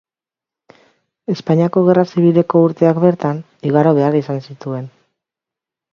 Espainiako Gerra Zibileko urteak bertan igaro behar izan zituen.